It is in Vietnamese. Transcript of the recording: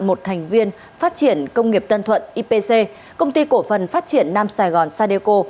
một thành viên phát triển công nghiệp tân thuận ipc công ty cổ phần phát triển nam sài gòn sadeco